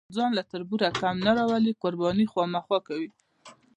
ځان له تربوره کم نه راولي، قرباني خامخا کوي.